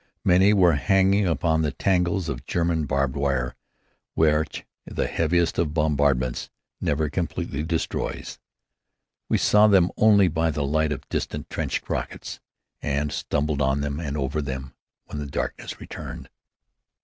Many were hanging upon the tangles of German barbed wire which the heaviest of bombardments never completely destroys. We saw them only by the light of distant trench rockets and stumbled on them and over them when the darkness returned.